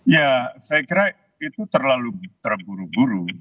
ya saya kira itu terlalu terburu buru